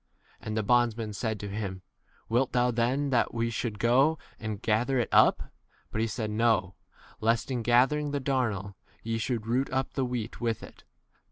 And the bondsmen said to him, Wilt thou then that we should go and ga 29 ther it [up] ? But he said, No ; lest b [in] gathering the darnel ye should root up the wheat with 30 it.